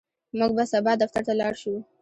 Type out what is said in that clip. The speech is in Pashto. موږ به سبا دفتر ته لاړ شو.